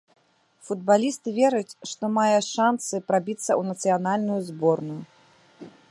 Футбаліст верыць, што мае шанцы прабіцца ў нацыянальную зборную.